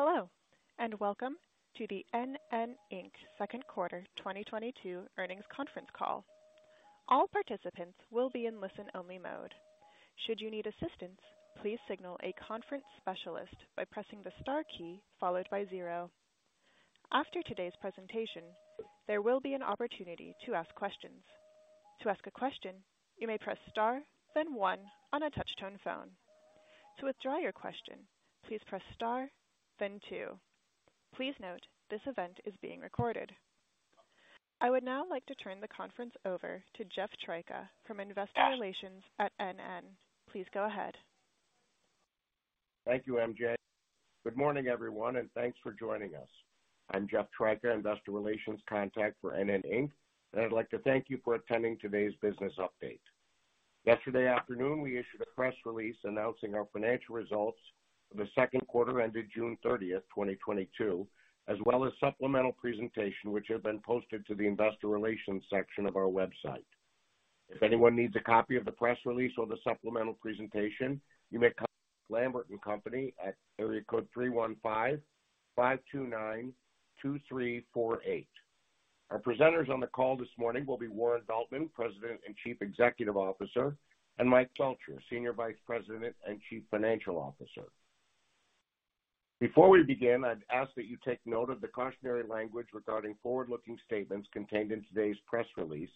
Hello, and welcome to the NN, Inc. second quarter 2022 earnings conference call. All participants will be in listen-only mode. Should you need assistance, please signal a conference specialist by pressing the star key followed by zero. After today's presentation, there will be an opportunity to ask questions. To ask a question, you may press star, then one on a touch-tone phone. To withdraw your question, please press star, then two. Please note, this event is being recorded. I would now like to turn the conference over to Jeff Tryka from Investor Relations at NN, Inc. Please go ahead. Thank you, MJ. Good morning, everyone, and thanks for joining us. I'm Jeff Tryka, Investor Relations contact for NN, Inc., and I'd like to thank you for attending today's business update. Yesterday afternoon, we issued a press release announcing our financial results for the second quarter ended June 30th, 2022, as well as supplemental presentation, which have been posted to the Investor Relations section of our website. If anyone needs a copy of the press release or the supplemental presentation, you may contact Lambert & Co. at area code 315-529-2348. Our presenters on the call this morning will be Warren Veltman, President and Chief Executive Officer, and Mike Felcher, Senior Vice President and Chief Financial Officer. Before we begin, I'd ask that you take note of the cautionary language regarding forward-looking statements contained in today's press release,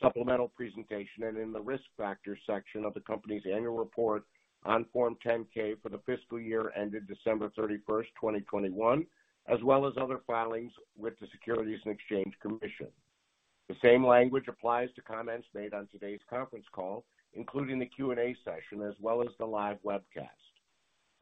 supplemental presentation, and in the Risk Factors section of the company's annual report on Form 10-K for the fiscal year ended December 31st, 2021, as well as other filings with the Securities and Exchange Commission. The same language applies to comments made on today's conference call, including the Q&A session, as well as the live webcast.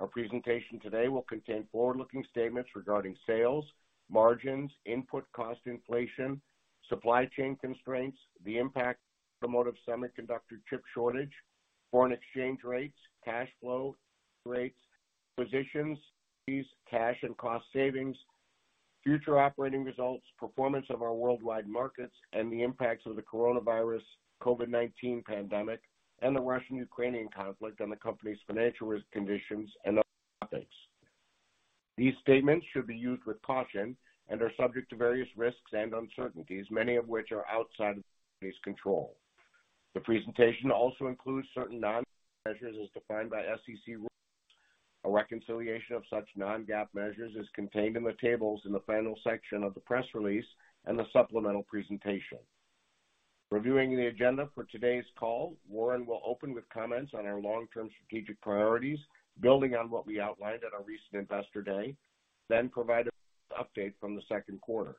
Our presentation today will contain forward-looking statements regarding sales, margins, input cost inflation, supply chain constraints, the impact of automotive semiconductor chip shortage, foreign exchange rates, cash flow, rates, positions, fees, cash and cost savings, future operating results, performance of our worldwide markets, and the impacts of the coronavirus COVID-19 pandemic and the Russian-Ukrainian conflict on the company's financial risk, conditions and other topics. These statements should be used with caution and are subject to various risks and uncertainties, many of which are outside of the company's control. The presentation also includes certain non-GAAP measures, as defined by SEC rules. A reconciliation of such non-GAAP measures is contained in the tables in the final section of the press release and the supplemental presentation. Reviewing the agenda for today's call, Warren will open with comments on our long-term strategic priorities, building on what we outlined at our recent Investor Day, then provide an update from the second quarter.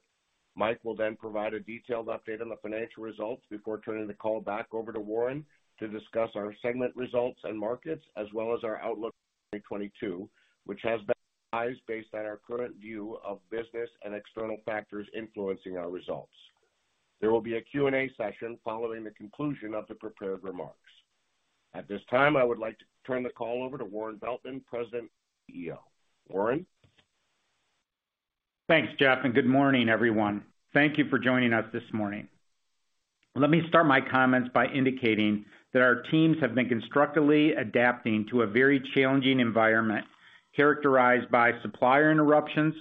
Mike will then provide a detailed update on the financial results before turning the call back over to Warren to discuss our segment results and markets as well as our outlook for 2022, which has been revised based on our current view of business and external factors influencing our results. There will be a Q&A session following the conclusion of the prepared remarks. At this time, I would like to turn the call over to Warren Veltman, President and CEO. Warren? Thanks, Jeff, and good morning, everyone. Thank you for joining us this morning. Let me start my comments by indicating that our teams have been constructively adapting to a very challenging environment characterized by supplier interruptions,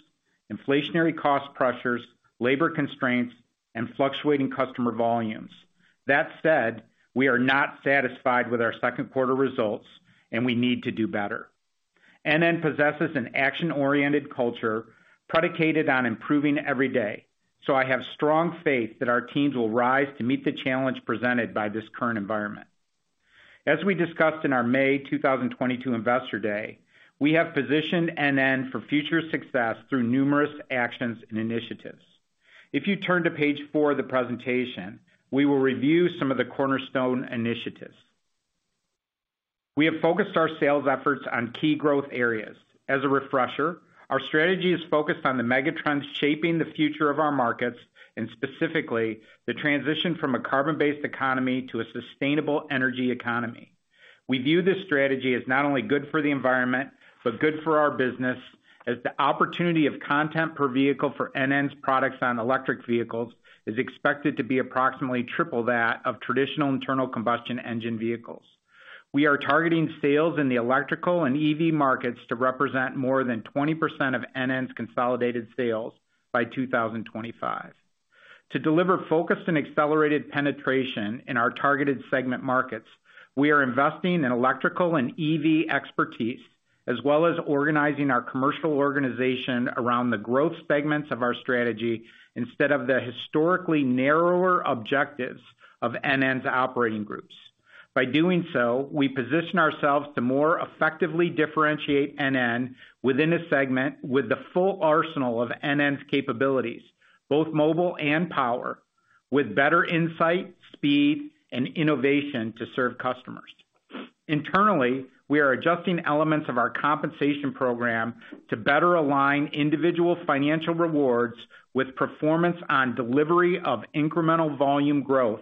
inflationary cost pressures, labor constraints, and fluctuating customer volumes. That said, we are not satisfied with our second quarter results, and we need to do better. NN possesses an action-oriented culture predicated on improving every day, so I have strong faith that our teams will rise to meet the challenge presented by this current environment. As we discussed in our May 2022 Investor Day, we have positioned NN for future success through numerous actions and initiatives. If you turn to page four of the presentation, we will review some of the cornerstone initiatives. We have focused our sales efforts on key growth areas. As a refresher, our strategy is focused on the megatrends shaping the future of our markets and specifically the transition from a carbon-based economy to a sustainable energy economy. We view this strategy as not only good for the environment, but good for our business, as the opportunity of content per vehicle for NN's products on electric vehicles is expected to be approximately triple that of traditional internal combustion engine vehicles. We are targeting sales in the electrical and EV markets to represent more than 20% of NN's consolidated sales by 2025. To deliver focused and accelerated penetration in our targeted segment markets, we are investing in electrical and EV expertise, as well as organizing our commercial organization around the growth segments of our strategy instead of the historically narrower objectives of NN's operating groups. By doing so, we position ourselves to more effectively differentiate NN within a segment with the full arsenal of NN's capabilities, both mobile and power, with better insight, speed, and innovation to serve customers. Internally, we are adjusting elements of our compensation program to better align individual financial rewards with performance on delivery of incremental volume growth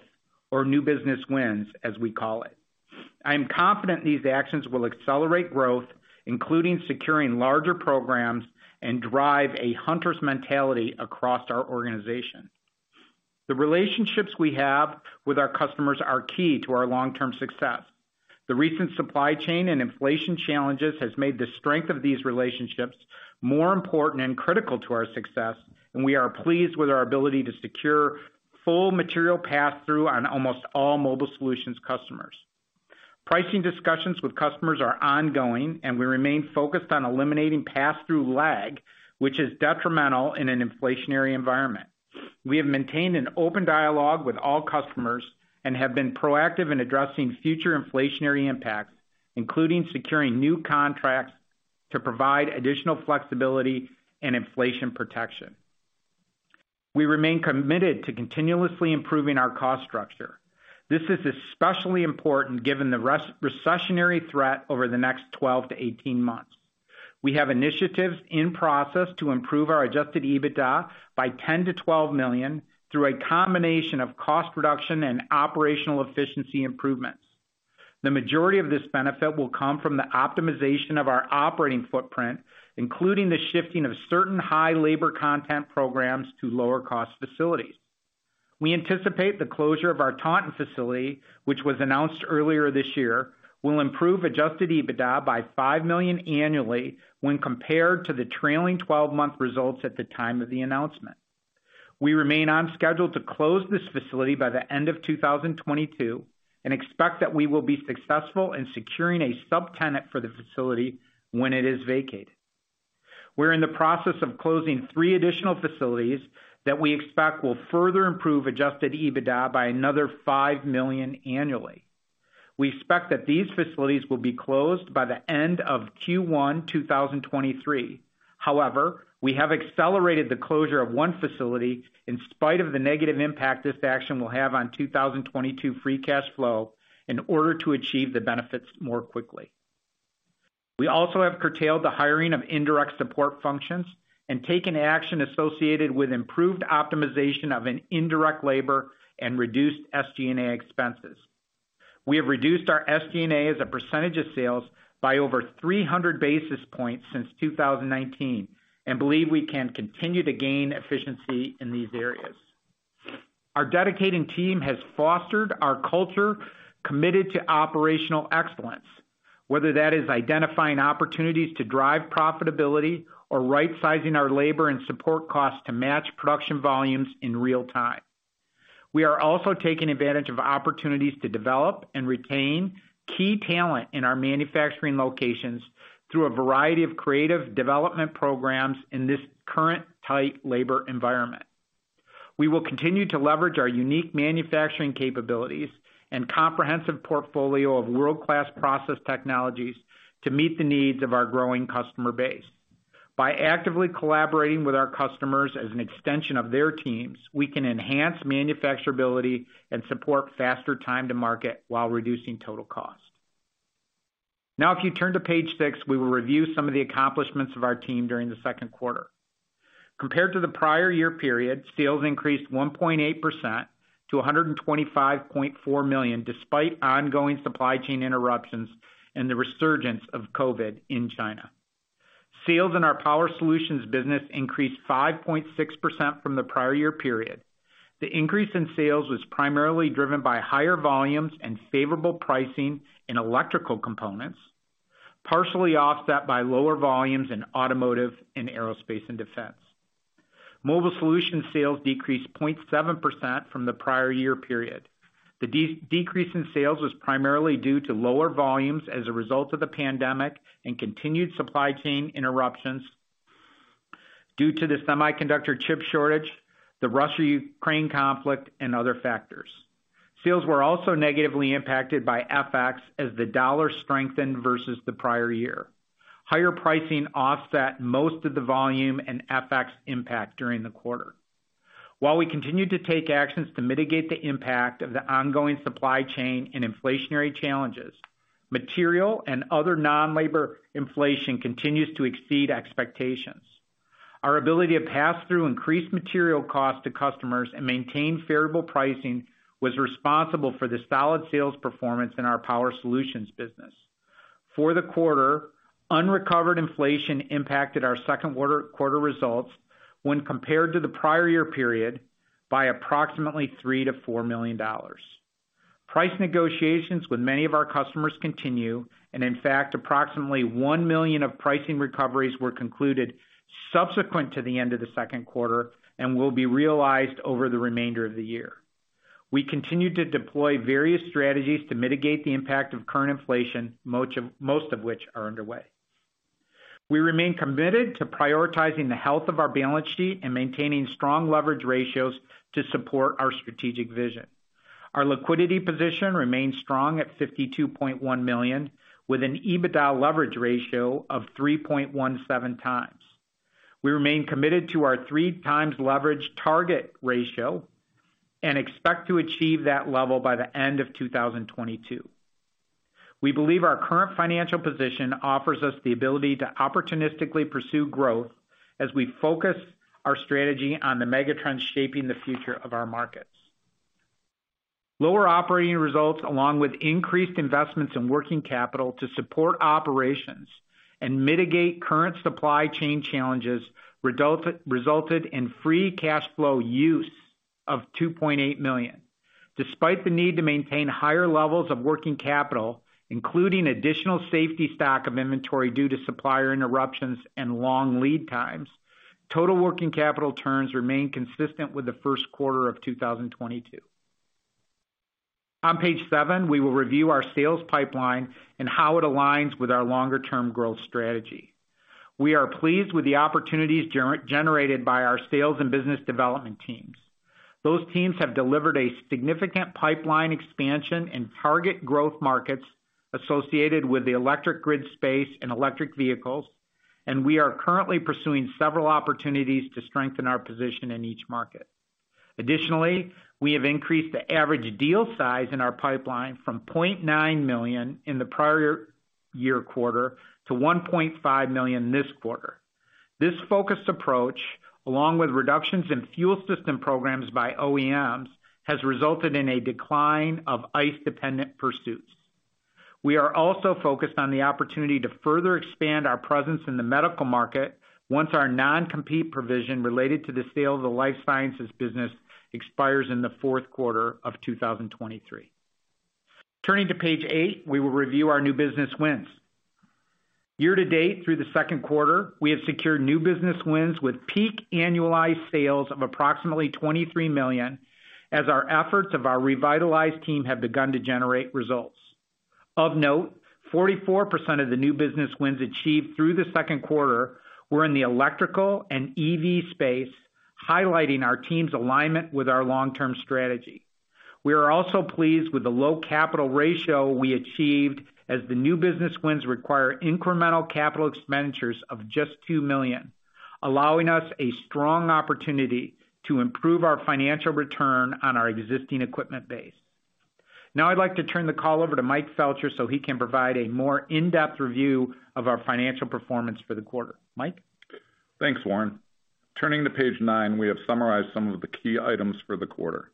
or new business wins, as we call it. I am confident these actions will accelerate growth, including securing larger programs and drive a hunter's mentality across our organization. The relationships we have with our customers are key to our long-term success. The recent supply chain and inflation challenges has made the strength of these relationships more important and critical to our success, and we are pleased with our ability to secure full material pass-through on almost all Mobile Solutions customers. Pricing discussions with customers are ongoing, and we remain focused on eliminating pass-through lag, which is detrimental in an inflationary environment. We have maintained an open dialogue with all customers and have been proactive in addressing future inflationary impacts, including securing new contracts to provide additional flexibility and inflation protection. We remain committed to continuously improving our cost structure. This is especially important given the recessionary threat over the next 12-18 months. We have initiatives in process to improve our adjusted EBITDA by $10 million-$12 million through a combination of cost reduction and operational efficiency improvements. The majority of this benefit will come from the optimization of our operating footprint, including the shifting of certain high labor content programs to lower cost facilities. We anticipate the closure of our Taunton facility, which was announced earlier this year, will improve adjusted EBITDA by $5 million annually when compared to the trailing twelve-month results at the time of the announcement. We remain on schedule to close this facility by the end of 2022 and expect that we will be successful in securing a subtenant for the facility when it is vacated. We're in the process of closing three additional facilities that we expect will further improve adjusted EBITDA by another $5 million annually. We expect that these facilities will be closed by the end of Q1 2023. However, we have accelerated the closure of one facility in spite of the negative impact this action will have on 2022 free cash flow in order to achieve the benefits more quickly. We also have curtailed the hiring of indirect support functions and taken action associated with improved optimization of an indirect labor and reduced SG&A expenses. We have reduced our SG&A as a percentage of sales by over 300 basis points since 2019, and believe we can continue to gain efficiency in these areas. Our dedicated team has fostered our culture committed to operational excellence, whether that is identifying opportunities to drive profitability or rightsizing our labor and support costs to match production volumes in real time. We are also taking advantage of opportunities to develop and retain key talent in our manufacturing locations through a variety of creative development programs in this current tight labor environment. We will continue to leverage our unique manufacturing capabilities and comprehensive portfolio of world-class process technologies to meet the needs of our growing customer base. By actively collaborating with our customers as an extension of their teams, we can enhance manufacturability and support faster time to market while reducing total cost. Now if you turn to page six, we will review some of the accomplishments of our team during the second quarter. Compared to the prior year period, sales increased 1.8% to $125.4 million, despite ongoing supply chain interruptions and the resurgence of COVID in China. Sales in our Power Solutions business increased 5.6% from the prior year period. The increase in sales was primarily driven by higher volumes and favorable pricing in electrical components, partially offset by lower volumes in automotive and aerospace and defense. Mobile Solutions sales decreased 0.7% from the prior year period. The decrease in sales was primarily due to lower volumes as a result of the pandemic and continued supply chain interruptions due to the semiconductor chip shortage, the Russia-Ukraine conflict, and other factors. Sales were also negatively impacted by FX as the dollar strengthened versus the prior year. Higher pricing offset most of the volume and FX impact during the quarter. While we continued to take actions to mitigate the impact of the ongoing supply chain and inflationary challenges, material and other non-labor inflation continues to exceed expectations. Our ability to pass through increased material costs to customers and maintain favorable pricing was responsible for the solid sales performance in our Power Solutions business. For the quarter, unrecovered inflation impacted our second quarter results when compared to the prior year period by approximately $3 million-$4 million. Price negotiations with many of our customers continue, and in fact, approximately $1 million of pricing recoveries were concluded subsequent to the end of the second quarter and will be realized over the remainder of the year. We continue to deploy various strategies to mitigate the impact of current inflation, most of which are underway. We remain committed to prioritizing the health of our balance sheet and maintaining strong leverage ratios to support our strategic vision. Our liquidity position remains strong at $52.1 million, with an EBITDA leverage ratio of 3.17x. We remain committed to our 3x leverage target ratio and expect to achieve that level by the end of 2022. We believe our current financial position offers us the ability to opportunistically pursue growth as we focus our strategy on the megatrends shaping the future of our market. Lower operating results, along with increased investments in working capital to support operations and mitigate current supply chain challenges resulted in free cash flow use of $2.8 million. Despite the need to maintain higher levels of working capital, including additional safety stock of inventory due to supplier interruptions and long lead times, total working capital turns remained consistent with the first quarter of 2022. On page seven, we will review our sales pipeline and how it aligns with our longer-term growth strategy. We are pleased with the opportunities generated by our sales and business development teams. Those teams have delivered a significant pipeline expansion in target growth markets associated with the electric grid space and electric vehicles, and we are currently pursuing several opportunities to strengthen our position in each market. Additionally, we have increased the average deal size in our pipeline from $0.9 million in the prior year quarter to $1.5 million this quarter. This focused approach, along with reductions in fuel system programs by OEMs, has resulted in a decline of ICE-dependent pursuits. We are also focused on the opportunity to further expand our presence in the medical market once our non-compete provision related to the sale of the Life Sciences business expires in the fourth quarter of 2023. Turning to page eight, we will review our new business wins. Year to date through the second quarter, we have secured new business wins with peak annualized sales of approximately $23 million as our efforts of our revitalized team have begun to generate results. Of note, 44% of the new business wins achieved through the second quarter were in the electrical and EV space, highlighting our team's alignment with our long-term strategy. We are also pleased with the low capital ratio we achieved as the new business wins require incremental capital expenditures of just $2 million, allowing us a strong opportunity to improve our financial return on our existing equipment base. Now I'd like to turn the call over to Mike Felcher, so he can provide a more in-depth review of our financial performance for the quarter. Mike? Thanks, Warren. Turning to page nine, we have summarized some of the key items for the quarter.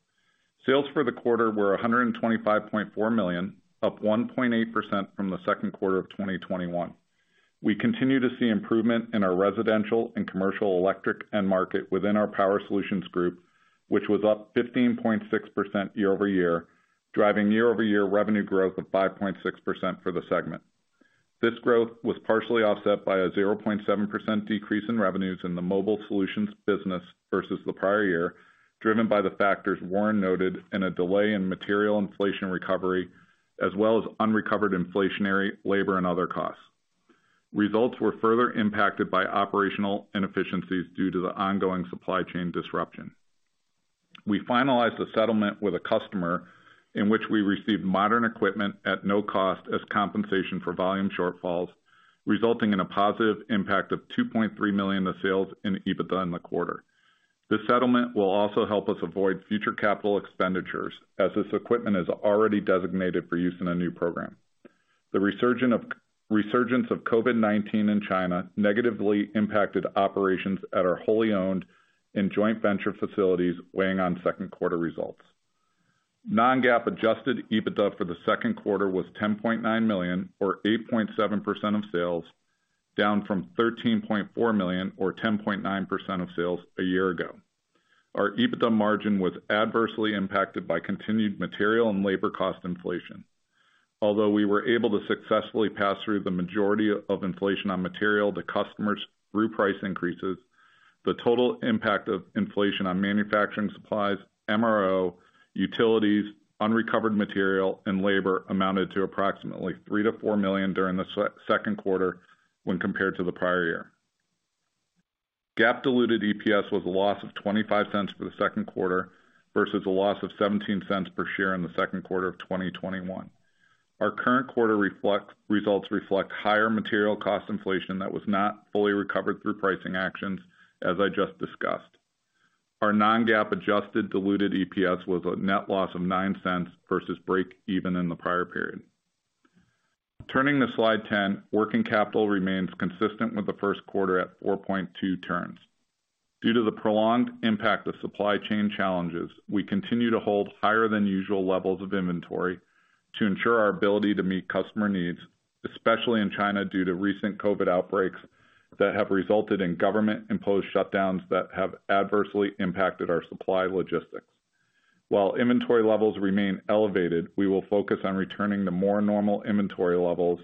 Sales for the quarter were $125.4 million, up 1.8% from the second quarter of 2021. We continue to see improvement in our residential and commercial electric end market within our Power Solutions group, which was up 15.6% year-over-year, driving year-over-year revenue growth of 5.6% for the segment. This growth was partially offset by a 0.7% decrease in revenues in the Mobile Solutions business versus the prior year, driven by the factors Warren noted and a delay in material inflation recovery, as well as unrecovered inflationary labor and other costs. Results were further impacted by operational inefficiencies due to the ongoing supply chain disruption. We finalized a settlement with a customer in which we received modern equipment at no cost as compensation for volume shortfalls, resulting in a positive impact of $2.3 million of sales in EBITDA in the quarter. This settlement will also help us avoid future capital expenditures as this equipment is already designated for use in a new program. The resurgence of COVID-19 in China negatively impacted operations at our wholly owned and joint venture facilities weighing on second quarter results. Non-GAAP adjusted EBITDA for the second quarter was $10.9 million or 8.7% of sales, down from $13.4 million or 10.9% of sales a year ago. Our EBITDA margin was adversely impacted by continued material and labor cost inflation. Although we were able to successfully pass through the majority of inflation on material to customers through price increases, the total impact of inflation on manufacturing supplies, MRO, utilities, unrecovered material and labor amounted to approximately $3 million-$4 million during the second quarter when compared to the prior year. GAAP diluted EPS was a loss of $0.25 for the second quarter versus a loss of $0.17 per share in the second quarter of 2021. Our current quarter results reflect higher material cost inflation that was not fully recovered through pricing actions, as I just discussed. Our non-GAAP adjusted diluted EPS was a net loss of $0.09 versus breakeven in the prior period. Turning to slide 10, working capital remains consistent with the first quarter at $4.2 turns. Due to the prolonged impact of supply chain challenges, we continue to hold higher than usual levels of inventory to ensure our ability to meet customer needs, especially in China, due to recent COVID outbreaks that have resulted in government-imposed shutdowns that have adversely impacted our supply logistics. While inventory levels remain elevated, we will focus on returning to more normal inventory levels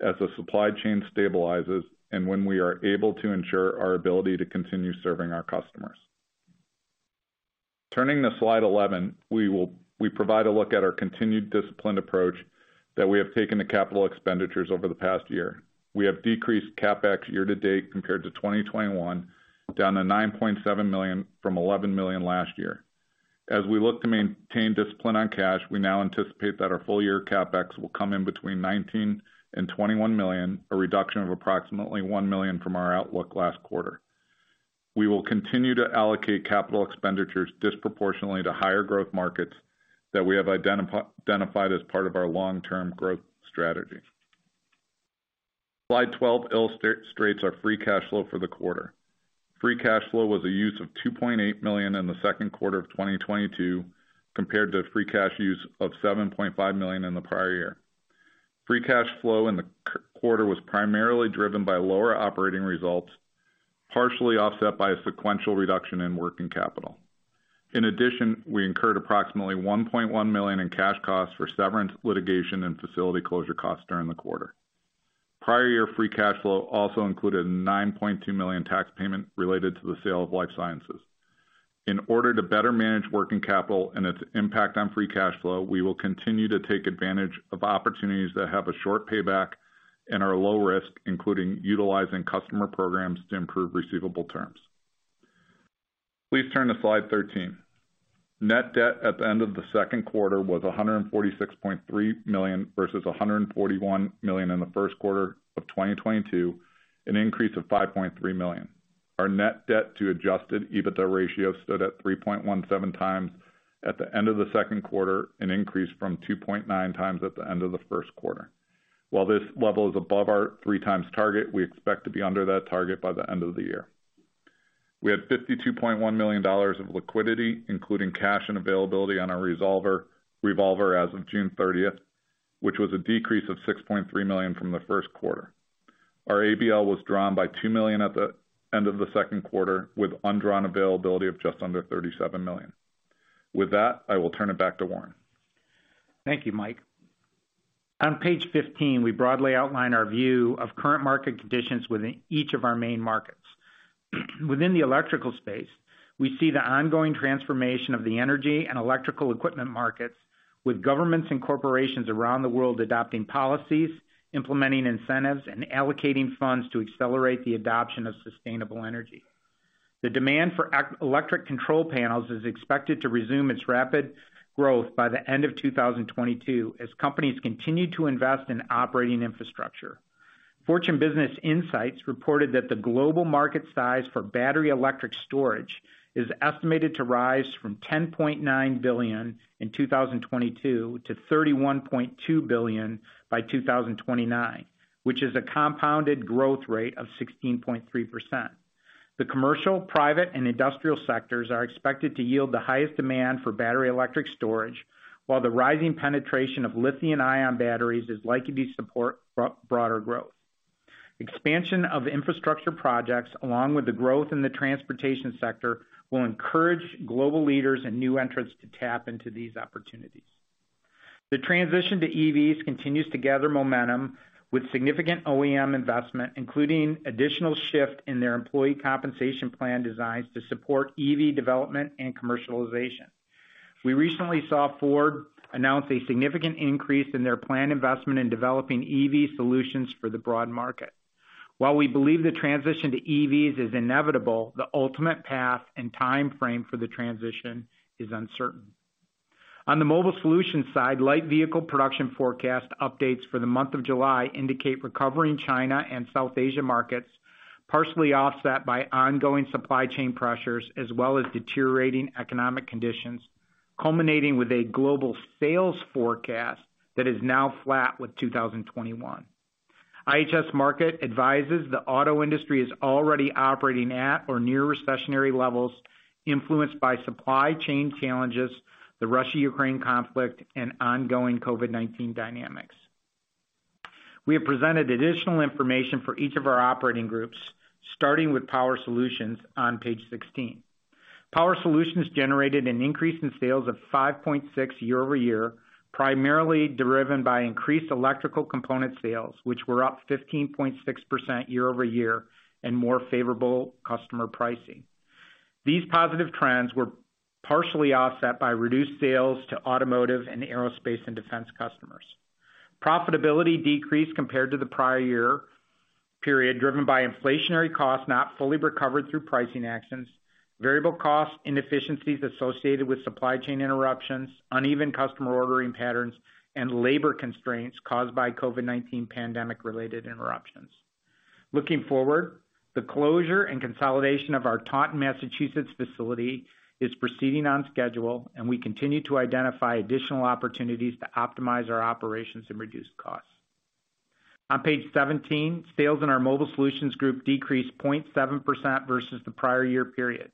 as the supply chain stabilizes and when we are able to ensure our ability to continue serving our customers. Turning to slide 11, we provide a look at our continued disciplined approach that we have taken to capital expenditures over the past year. We have decreased CapEx year to date compared to 2021 down to $9.7 million from $11 million last year. As we look to maintain discipline on cash, we now anticipate that our full year CapEx will come in between $19 million and $21 million, a reduction of approximately $1 million from our outlook last quarter. We will continue to allocate capital expenditures disproportionately to higher growth markets that we have identified as part of our long-term growth strategy. Slide 12 illustrates our free cash flow for the quarter. Free cash flow was a use of $2.8 million in the second quarter of 2022, compared to free cash use of $7.5 million in the prior year. Free cash flow in the quarter was primarily driven by lower operating results, partially offset by a sequential reduction in working capital. In addition, we incurred approximately $1.1 million in cash costs for severance, litigation, and facility closure costs during the quarter. Prior year free cash flow also included $9.2 million tax payment related to the sale of Life Sciences. In order to better manage working capital and its impact on free cash flow, we will continue to take advantage of opportunities that have a short payback and are low risk, including utilizing customer programs to improve receivable terms. Please turn to slide 13. Net debt at the end of the second quarter was $146.3 million versus $141 million in the first quarter of 2022, an increase of $5.3 million. Our net debt to adjusted EBITDA ratio stood at 3.17x at the end of the second quarter, an increase from 2.9x at the end of the first quarter. While this level is above our 3x target, we expect to be under that target by the end of the year. We had $52.1 million of liquidity, including cash and availability on our revolver as of June thirtieth, which was a decrease of $6.3 million from the first quarter. Our ABL was drawn by $2 million at the end of the second quarter, with undrawn availability of just under $37 million. With that, I will turn it back to Warren. Thank you, Mike. On page 15, we broadly outline our view of current market conditions within each of our main markets. Within the electrical space, we see the ongoing transformation of the energy and electrical equipment markets, with governments and corporations around the world adopting policies, implementing incentives, and allocating funds to accelerate the adoption of sustainable energy. The demand for electric control panels is expected to resume its rapid growth by the end of 2022 as companies continue to invest in operating infrastructure. Fortune Business Insights reported that the global market size for battery electric storage is estimated to rise from $10.9 billion in 2022 to $31.2 billion by 2029, which is a compounded growth rate of 16.3%. The commercial, private, and industrial sectors are expected to yield the highest demand for battery electric storage, while the rising penetration of lithium-ion batteries is likely to support broader growth. Expansion of infrastructure projects, along with the growth in the transportation sector, will encourage global leaders and new entrants to tap into these opportunities. The transition to EVs continues to gather momentum with significant OEM investment, including additional shift in their employee compensation plan designs to support EV development and commercialization. We recently saw Ford announce a significant increase in their planned investment in developing EV solutions for the broad market. While we believe the transition to EVs is inevitable, the ultimate path and timeframe for the transition is uncertain. On the Mobile Solutions side, light vehicle production forecast updates for the month of July indicate recovery in China and South Asia markets, partially offset by ongoing supply chain pressures as well as deteriorating economic conditions, culminating with a global sales forecast that is now flat with 2021. IHS Markit advises the auto industry is already operating at or near recessionary levels influenced by supply chain challenges, the Russia-Ukraine conflict, and ongoing COVID-19 dynamics. We have presented additional information for each of our operating groups, starting with Power Solutions on page 16. Power Solutions generated an increase in sales of 5.6 year-over-year, primarily driven by increased electrical component sales, which were up 15.6% year-over-year, and more favorable customer pricing. These positive trends were partially offset by reduced sales to automotive and aerospace and defense customers. Profitability decreased compared to the prior year period, driven by inflationary costs not fully recovered through pricing actions, variable costs, inefficiencies associated with supply chain interruptions, uneven customer ordering patterns, and labor constraints caused by COVID-19 pandemic-related interruptions. Looking forward, the closure and consolidation of our Taunton, Massachusetts facility is proceeding on schedule, and we continue to identify additional opportunities to optimize our operations and reduce costs. On page 17, sales in our Mobile Solutions Group decreased 0.7% versus the prior year period.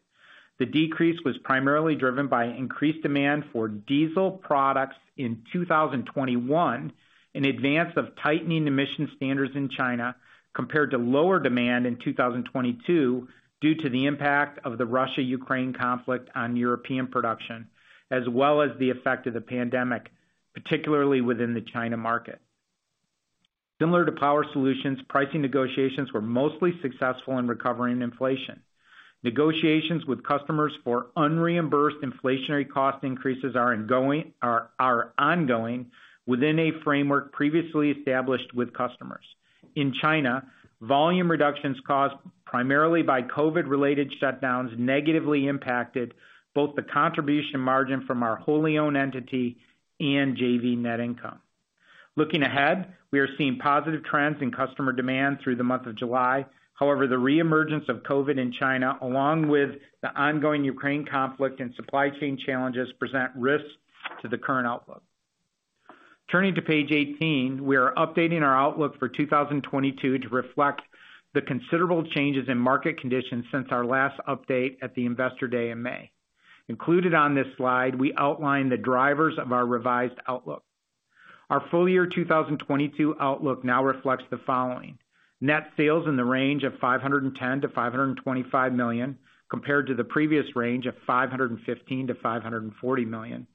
The decrease was primarily driven by increased demand for diesel products in 2021 in advance of tightening emission standards in China compared to lower demand in 2022 due to the impact of the Russia-Ukraine conflict on European production, as well as the effect of the pandemic, particularly within the China market. Similar to Power Solutions, pricing negotiations were mostly successful in recovering inflation. Negotiations with customers for unreimbursed inflationary cost increases are ongoing within a framework previously established with customers. In China, volume reductions caused primarily by COVID-related shutdowns negatively impacted both the contribution margin from our wholly owned entity and JV net income. Looking ahead, we are seeing positive trends in customer demand through the month of July. However, the reemergence of COVID in China, along with the ongoing Ukraine conflict and supply chain challenges, present risks to the current outlook. Turning to page 18, we are updating our outlook for 2022 to reflect the considerable changes in market conditions since our last update at the Investor Day in May. Included on this slide, we outline the drivers of our revised outlook. Our full year 2022 outlook now reflects the following. Net sales in the range of $510 million-$525 million, compared to the previous range of $515 million-$540 million.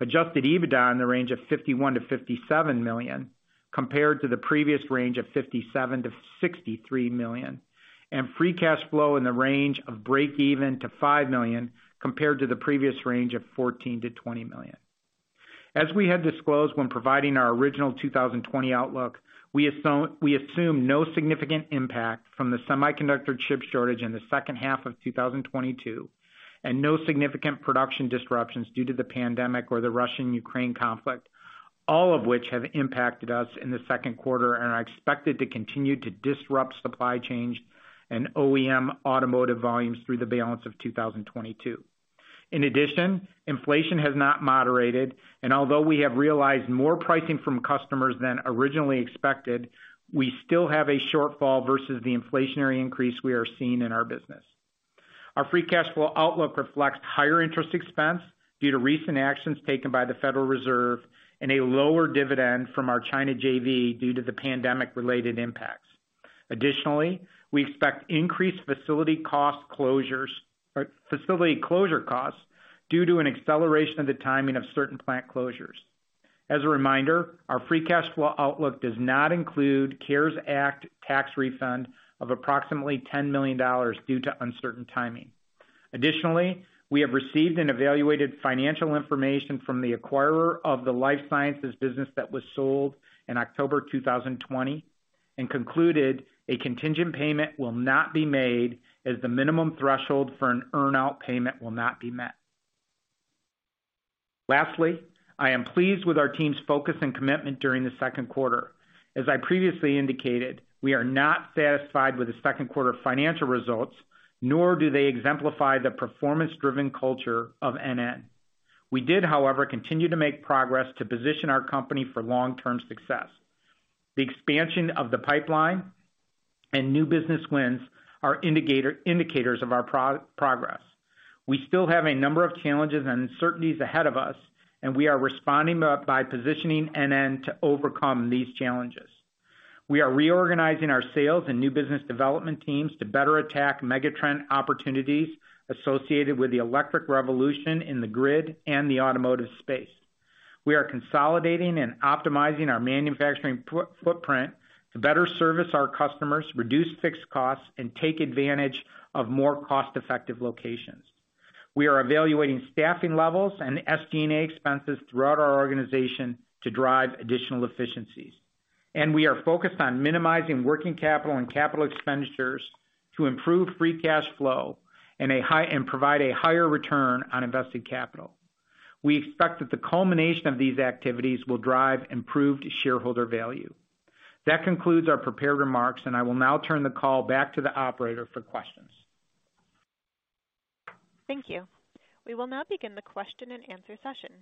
Adjusted EBITDA in the range of $51 million-$57 million, compared to the previous range of $57 million-$63 million. Free cash flow in the range of breakeven to $5 million, compared to the previous range of $14 million-$20 million. As we had disclosed when providing our original 2020 outlook, we assume no significant impact from the semiconductor chip shortage in the second half of 2022, and no significant production disruptions due to the pandemic or the Russia-Ukraine conflict, all of which have impacted us in the second quarter and are expected to continue to disrupt supply chains and OEM automotive volumes through the balance of 2022. In addition, inflation has not moderated, and although we have realized more pricing from customers than originally expected, we still have a shortfall versus the inflationary increase we are seeing in our business. Our free cash flow outlook reflects higher interest expense due to recent actions taken by the Federal Reserve and a lower dividend from our China JV due to the pandemic-related impacts. Additionally, we expect increased facility closure costs due to an acceleration of the timing of certain plant closures. As a reminder, our free cash flow outlook does not include CARES Act tax refund of approximately $10 million due to uncertain timing. Additionally, we have received and evaluated financial information from the acquirer of the Life Sciences business that was sold in October 2020 and concluded a contingent payment will not be made as the minimum threshold for an earnout payment will not be met. Lastly, I am pleased with our team's focus and commitment during the second quarter. As I previously indicated, we are not satisfied with the second quarter financial results, nor do they exemplify the performance-driven culture of NN. We did, however, continue to make progress to position our company for long-term success. The expansion of the pipeline and new business wins are indicators of our progress. We still have a number of challenges and uncertainties ahead of us, and we are responding by positioning NN to overcome these challenges. We are reorganizing our sales and new business development teams to better attack megatrend opportunities associated with the electric revolution in the grid and the automotive space. We are consolidating and optimizing our manufacturing footprint to better service our customers, reduce fixed costs, and take advantage of more cost-effective locations. We are evaluating staffing levels and SG&A expenses throughout our organization to drive additional efficiencies. We are focused on minimizing working capital and capital expenditures to improve free cash flow and provide a higher return on invested capital. We expect that the culmination of these activities will drive improved shareholder value. That concludes our prepared remarks, and I will now turn the call back to the operator for questions. Thank you. We will now begin the question-and-answer session.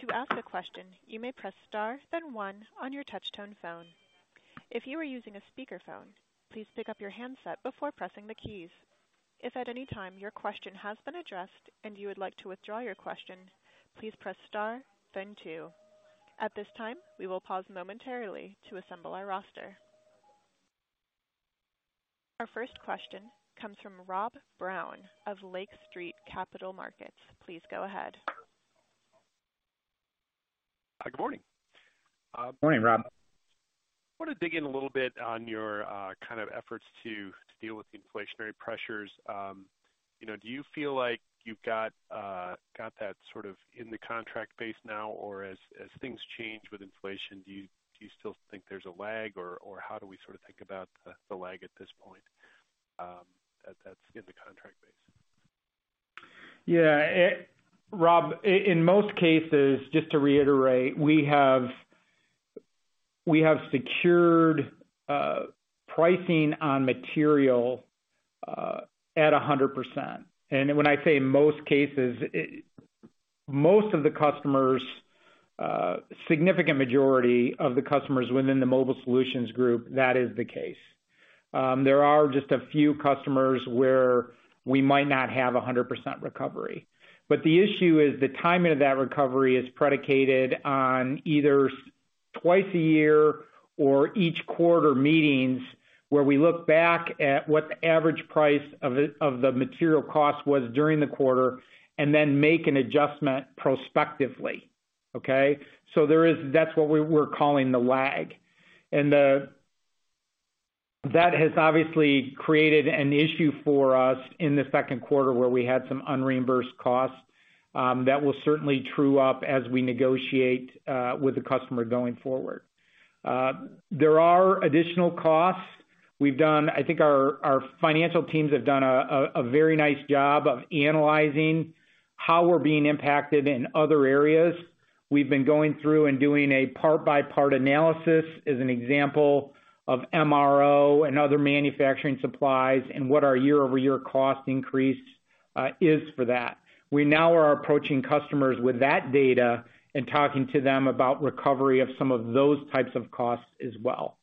To ask a question, you may press star, then one on your touchtone phone. If you are using a speakerphone, please pick up your handset before pressing the keys. If at any time your question has been addressed and you would like to withdraw your question, please press star then two. At this time, we will pause momentarily to assemble our roster. Our first question comes from Rob Brown of Lake Street Capital Markets. Please go ahead. Good morning. Morning, Rob. Wanted to dig in a little bit on your kind of efforts to deal with the inflationary pressures. You know, do you feel like you've got that sort of in the contract base now? Or as things change with inflation, do you still think there's a lag or how do we sort of think about the lag at this point that's in the contract base? Rob, in most cases, just to reiterate, we have secured pricing on material at 100%. When I say most cases, most of the customers, significant majority of the customers within the Mobile Solutions group, that is the case. There are just a few customers where we might not have 100% recovery. The issue is the timing of that recovery is predicated on either twice a year or each quarter meetings where we look back at what the average price of the material cost was during the quarter and then make an adjustment prospectively. That's what we're calling the lag. That has obviously created an issue for us in the second quarter where we had some unreimbursed costs that will certainly true up as we negotiate with the customer going forward. There are additional costs. I think our financial teams have done a very nice job of analyzing how we're being impacted in other areas. We've been going through and doing a part-by-part analysis as an example of MRO and other manufacturing supplies and what our year-over-year cost increase is for that. We now are approaching customers with that data and talking to them about recovery of some of those types of costs as well.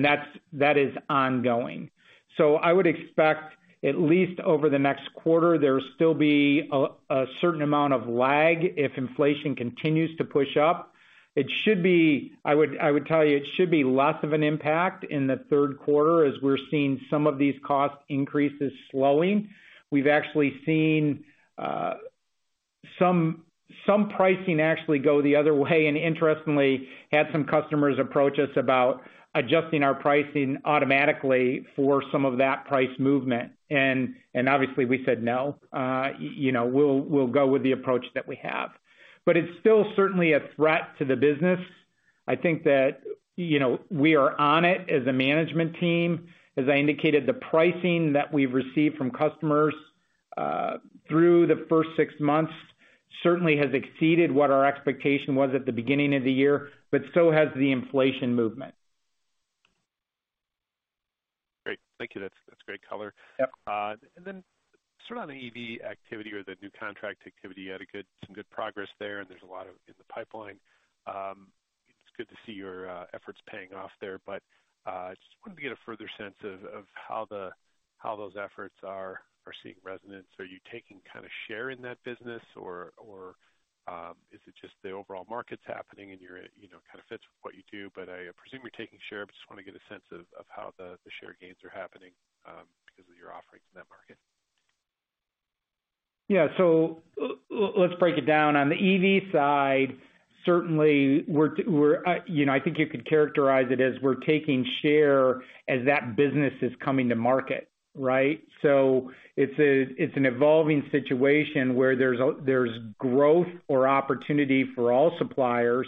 That is ongoing. I would expect at least over the next quarter, there still be a certain amount of lag if inflation continues to push up. I would tell you it should be less of an impact in the third quarter as we're seeing some of these cost increases slowing. We've actually seen some pricing actually go the other way, and interestingly, had some customers approach us about adjusting our pricing automatically for some of that price movement. Obviously we said no. You know, we'll go with the approach that we have. It's still certainly a threat to the business. I think that you know, we are on it as a management team. As I indicated, the pricing that we've received from customers through the first six months certainly has exceeded what our expectation was at the beginning of the year, but so has the inflation movement. Great. Thank you. That's great color. Yep. Sort of on the EV activity or the new contract activity, you had some good progress there, and there's a lot in the pipeline. It's good to see your efforts paying off there, but I just wanted to get a further sense of how those efforts are seeing resonance? Are you taking kinda share in that business or is it just the overall market's happening and you know kind of fits what you do, but I presume you're taking share, but just wanna get a sense of how the share gains are happening because of your offerings in that market? Let's break it down. On the EV side, certainly we're, I think you could characterize it as we're taking share as that business is coming to market, right? It's an evolving situation where there's growth or opportunity for all suppliers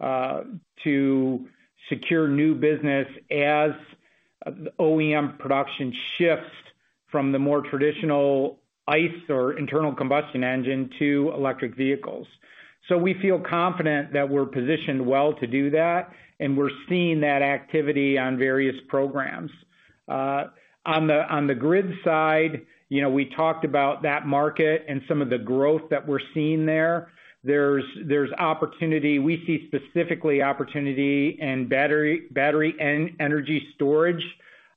to secure new business as OEM production shifts from the more traditional ICE or internal combustion engine to electric vehicles. We feel confident that we're positioned well to do that, and we're seeing that activity on various programs. On the grid side, we talked about that market and some of the growth that we're seeing there. There's opportunity. We see specifically opportunity in battery energy storage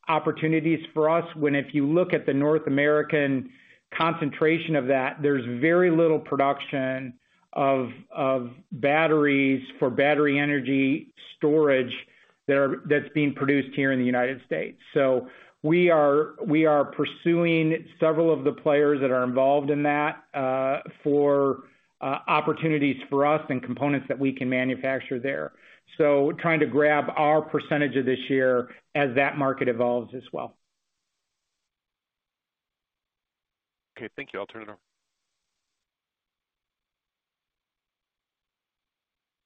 opportunities for us, if you look at the North American concentration of that, there's very little production of batteries for battery energy storage that's being produced here in the United States. We are pursuing several of the players that are involved in that for opportunities for us and components that we can manufacture there. Trying to grab our percentage of this year as that market evolves as well. Okay. Thank you. I'll turn it over.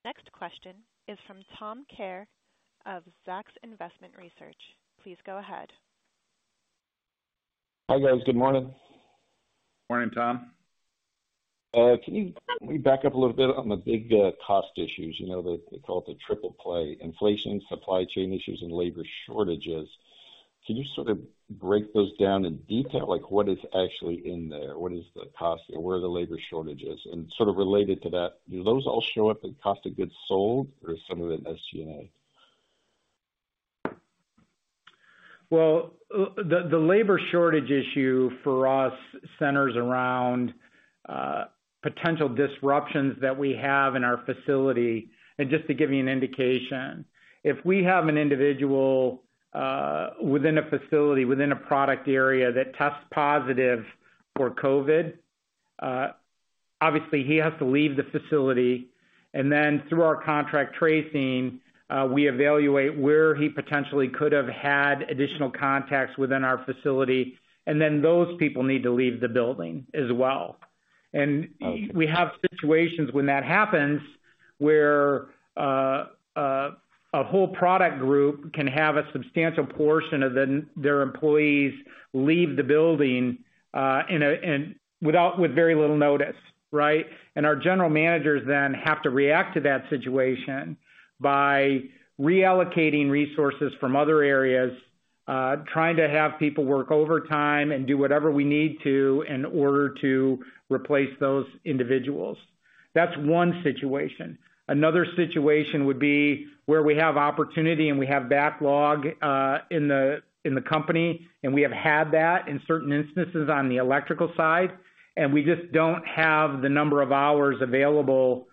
Next question is from Tom Kerr of Zacks Investment Research. Please go ahead. Hi, guys. Good morning. Morning, Tom. Can you let me back up a little bit on the big cost issues, you know, the, they call it the triple play, inflation, supply chain issues, and labor shortages? Can you sort of break those down in detail? Like, what is actually in there? What is the cost or where are the labor shortages? And sort of related to that, do those all show up in cost of goods sold or some of it in SG&A? Well, the labor shortage issue for us centers around potential disruptions that we have in our facility. Just to give you an indication, if we have an individual within a facility, within a product area that tests positive for COVID, obviously he has to leave the facility. Then through our contact tracing, we evaluate where he potentially could have had additional contacts within our facility, and then those people need to leave the building as well. We have situations when that happens, where a whole product group can have a substantial portion of their employees leave the building with very little notice, right? Our general managers then have to react to that situation by reallocating resources from other areas, trying to have people work overtime and do whatever we need to in order to replace those individuals. That's one situation. Another situation would be where we have opportunity and we have backlog in the company, and we have had that in certain instances on the electrical side, and we just don't have the number of hours available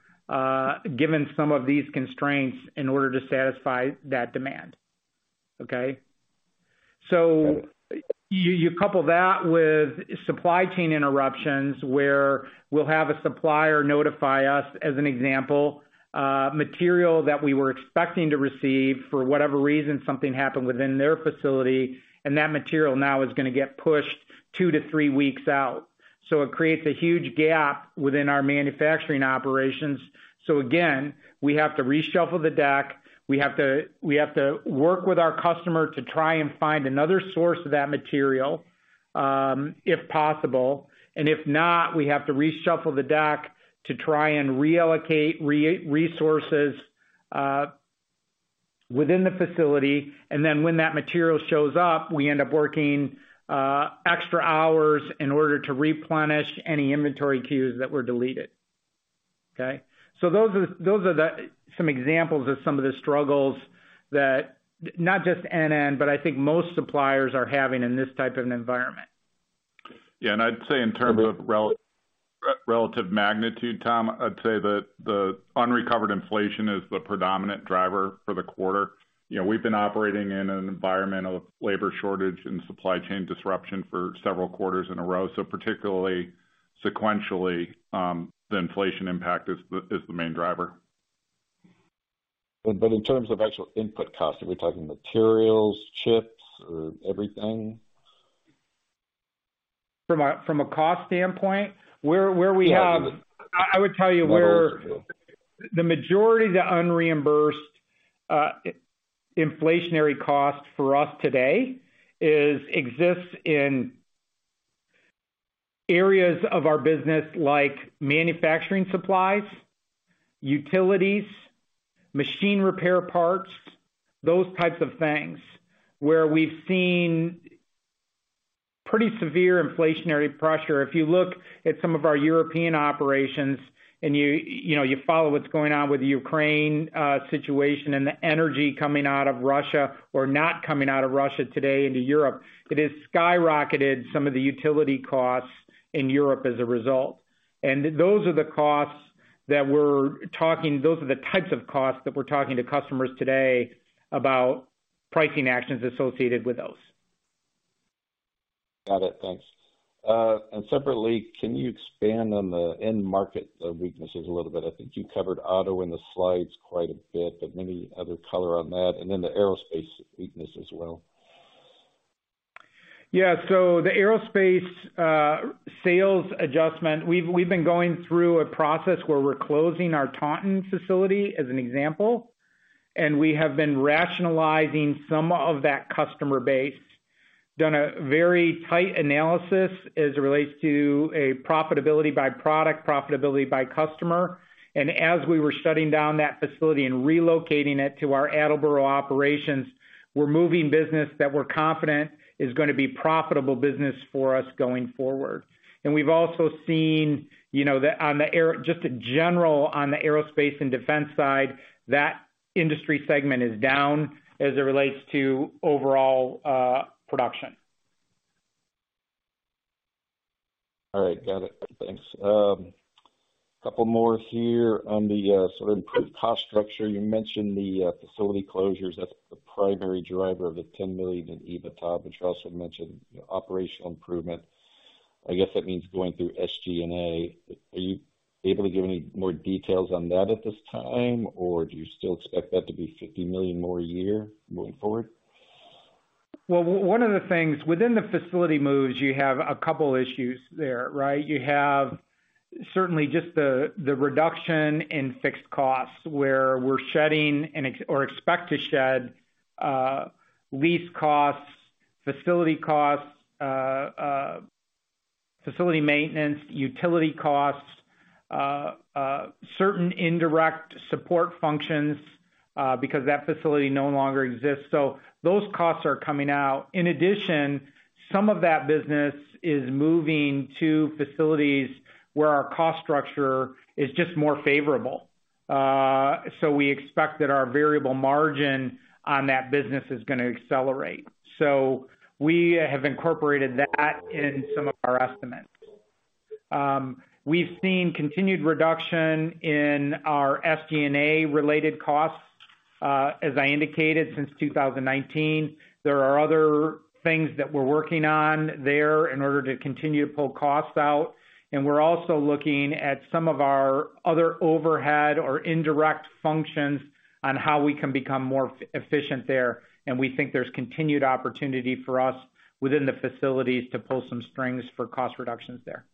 given some of these constraints in order to satisfy that demand. Okay? You couple that with supply chain interruptions, where we'll have a supplier notify us, as an example, material that we were expecting to receive, for whatever reason, something happened within their facility, and that material now is gonna get pushed 2-3 weeks out. It creates a huge gap within our manufacturing operations. Again, we have to reshuffle the deck. We have to work with our customer to try and find another source of that material, if possible. And if not, we have to reshuffle the deck to try and reallocate resources within the facility, and then when that material shows up, we end up working extra hours in order to replenish any inventory queues that were deleted. Okay. Those are some examples of the struggles that not just NN, but I think most suppliers are having in this type of an environment. Yeah. I'd say in terms of relative magnitude, Tom, I'd say that the unrecovered inflation is the predominant driver for the quarter. You know, we've been operating in an environment of labor shortage and supply chain disruption for several quarters in a row. Particularly sequentially, the inflation impact is the main driver. In terms of actual input cost, are we talking materials, chips or everything? From a cost standpoint, where we have Yeah. I would tell you where the majority of the unreimbursed inflationary cost for us today exists in areas of our business like manufacturing supplies, utilities, machine repair parts, those types of things, where we've seen pretty severe inflationary pressure. If you look at some of our European operations and you know you follow what's going on with the Ukraine situation and the energy coming out of Russia or not coming out of Russia today into Europe, it has skyrocketed some of the utility costs in Europe as a result. Those are the types of costs that we're talking to customers today about pricing actions associated with those. Got it. Thanks. Separately, can you expand on the end market weaknesses a little bit? I think you covered auto in the slides quite a bit, but any other color on that, and then the aerospace weakness as well? Yeah. The aerospace sales adjustment, we've been going through a process where we're closing our Taunton facility as an example, and we have been rationalizing some of that customer base. Done a very tight analysis as it relates to a profitability by product, profitability by customer. As we were shutting down that facility and relocating it to our Attleboro operations, we're moving business that we're confident is gonna be profitable business for us going forward. We've also seen, you know, just in general, on the aerospace and defense side, that industry segment is down as it relates to overall production. All right. Got it. Thanks. Couple more here on the sort of improved cost structure. You mentioned the facility closures. That's the primary driver of the $10 million in EBITDA, which you also mentioned operational improvement. I guess that means going through SG&A. Are you able to give any more details on that at this time, or do you still expect that to be $50 million more a year going forward? Well, one of the things, within the facility moves, you have a couple issues there, right? You have certainly just the reduction in fixed costs, where we're shedding and or expect to shed, lease costs, facility costs, facility maintenance, utility costs, certain indirect support functions, because that facility no longer exists. Those costs are coming out. In addition, some of that business is moving to facilities where our cost structure is just more favorable. We expect that our variable margin on that business is gonna accelerate. We have incorporated that in some of our estimates. We've seen continued reduction in our SG&A related costs, as I indicated since 2019. There are other things that we're working on there in order to continue to pull costs out. We're also looking at some of our other overhead or indirect functions on how we can become more efficient there. We think there's continued opportunity for us within the facilities to pull some strings for cost reductions there.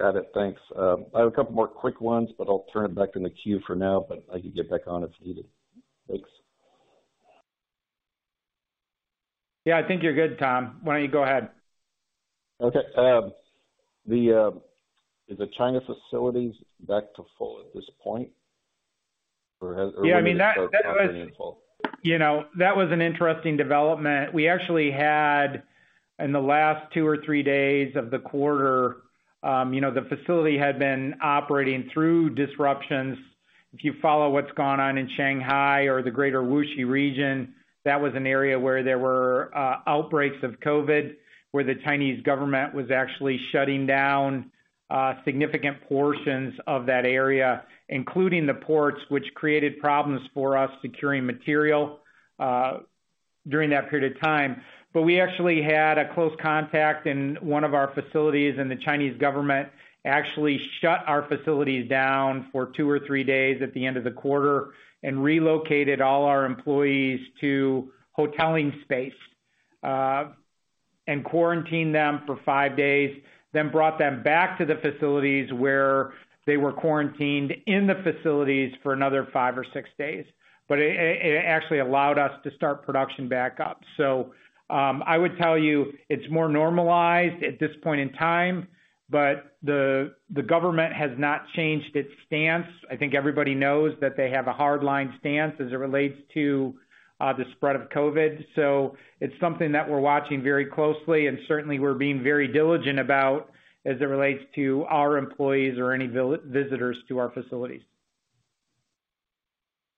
Got it. Thanks. I have a couple more quick ones, but I'll turn it back in the queue for now, but I can get back on if needed. Thanks. Yeah, I think you're good, Tom. Why don't you go ahead? Is the China facilities back to full at this point or has- Yeah, I mean, that was. Are they still operating in full? You know, that was an interesting development. We actually had in the last two or three days of the quarter, you know, the facility had been operating through disruptions. If you follow what's gone on in Shanghai or the greater Wuxi region, that was an area where there were outbreaks of COVID, where the Chinese government was actually shutting down significant portions of that area, including the ports, which created problems for us securing material during that period of time. We actually had a close contact in one of our facilities, and the Chinese government actually shut our facilities down for two or three days at the end of the quarter and relocated all our employees to hoteling space, and quarantined them for five days, then brought them back to the facilities where they were quarantined in the facilities for another five or six days. It actually allowed us to start production back up. I would tell you it's more normalized at this point in time, but the government has not changed its stance. I think everybody knows that they have a hard line stance as it relates to the spread of COVID. It's something that we're watching very closely and certainly we're being very diligent about as it relates to our employees or any visitors to our facilities.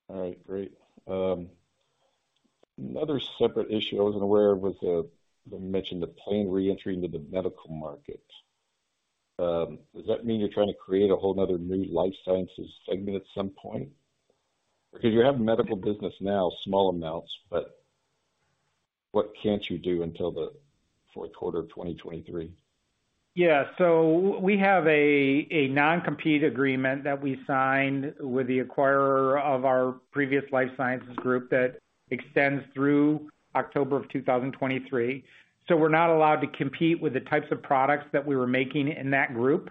All right, great. Another separate issue I wasn't aware of was when you mentioned the planned re-entry into the medical market. Does that mean you're trying to create a whole nother new life sciences segment at some point? Because you have medical business now, small amounts, but what can't you do until the fourth quarter of 2023? Yeah. We have a non-compete agreement that we signed with the acquirer of our previous Life Sciences group that extends through October of 2023. We're not allowed to compete with the types of products that we were making in that group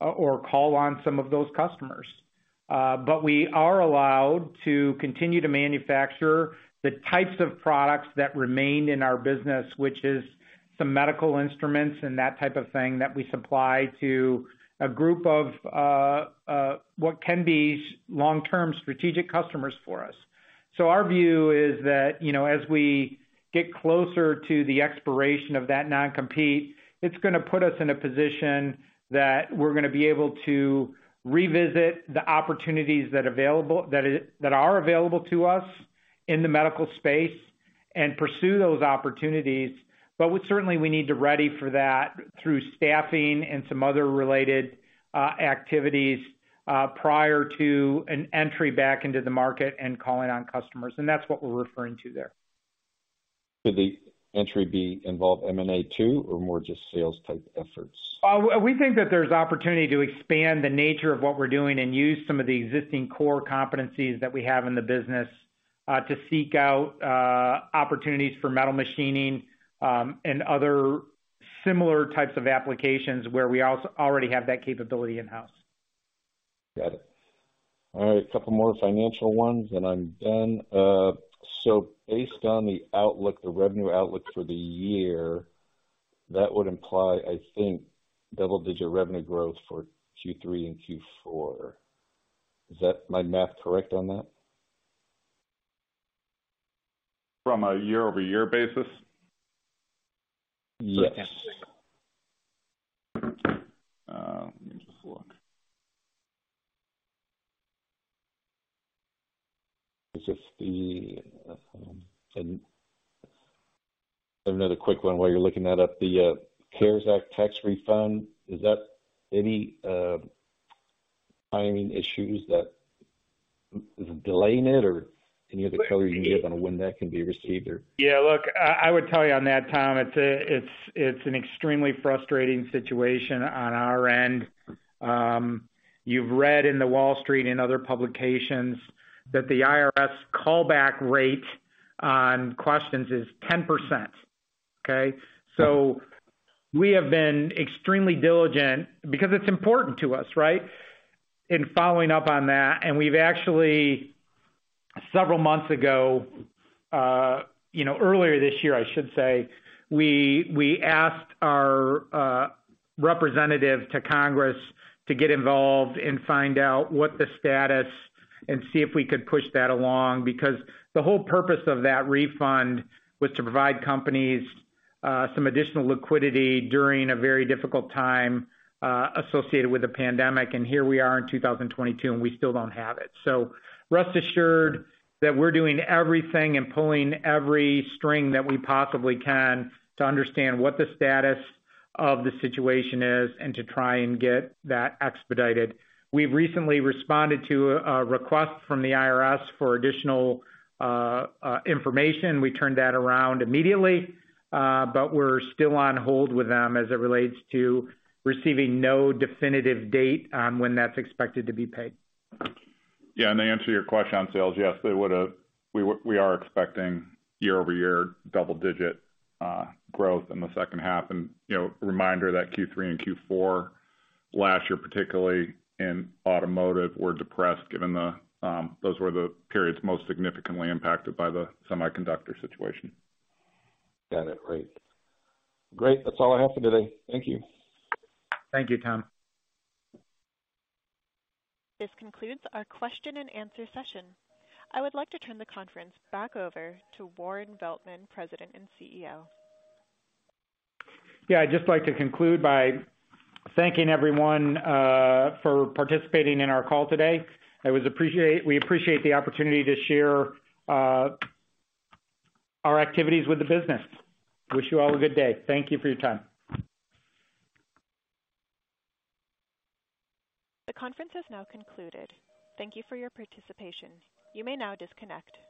or call on some of those customers. We are allowed to continue to manufacture the types of products that remained in our business, which is some medical instruments and that type of thing that we supply to a group of what can be long-term strategic customers for us. Our view is that, you know, as we get closer to the expiration of that non-compete, it's gonna put us in a position that we're gonna be able to revisit the opportunities that are available to us in the medical space and pursue those opportunities. We certainly need to be ready for that through staffing and some other related activities prior to an entry back into the market and calling on customers. That's what we're referring to there. Could the entry involve M&A too, or more just sales type efforts? We think that there's opportunity to expand the nature of what we're doing and use some of the existing core competencies that we have in the business, to seek out, opportunities for metal machining, and other similar types of applications where we already have that capability in-house. Got it. All right, a couple more financial ones, then I'm done. Based on the outlook, the revenue outlook for the year, that would imply, I think, double-digit revenue growth for Q3 and Q4. Is that my math correct on that? From a year-over-year basis? Yes. Let me just take a- Okay. Let me just look. Another quick one while you're looking that up, the CARES Act tax refund, is there any timing issues? Is it delaying it or any other color you can give on when that can be received or? Yeah, look, I would tell you on that, Tom, it's an extremely frustrating situation on our end. You've read in the Wall Street Journal and other publications that the IRS callback rate on questions is 10%. Okay? So we have been extremely diligent, because it's important to us, right? In following up on that. We've actually, several months ago, you know, earlier this year, I should say, we asked our representative to Congress to get involved and find out what the status and see if we could push that along, because the whole purpose of that refund was to provide companies some additional liquidity during a very difficult time associated with the pandemic. Here we are in 2022, and we still don't have it. Rest assured that we're doing everything and pulling every string that we possibly can to understand what the status of the situation is and to try and get that expedited. We've recently responded to a request from the IRS for additional information. We turned that around immediately, but we're still on hold with them as it relates to receiving no definitive date on when that's expected to be paid. Yeah. To answer your question on sales, yes, we would, we are expecting year-over-year double-digit growth in the second half. You know, reminder that Q3 and Q4 last year, particularly in automotive, were depressed given that those were the periods most significantly impacted by the semiconductor situation. Got it. Great. Great. That's all I have for today. Thank you. Thank you, Tom. This concludes our question and answer session. I would like to turn the conference back over to Warren Veltman, President and CEO. Yeah. I'd just like to conclude by thanking everyone for participating in our call today. We appreciate the opportunity to share our activities with the business. Wish you all a good day. Thank you for your time. The conference has now concluded. Thank you for your participation. You may now disconnect.